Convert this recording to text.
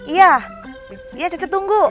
iya iya cece tunggu